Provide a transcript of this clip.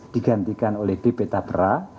digantikan oleh bp tapera